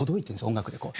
音楽でこう。